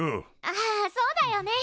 あそうだよね。